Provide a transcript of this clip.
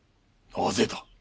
なぜだ？